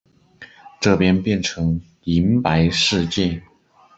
这边变成银白世界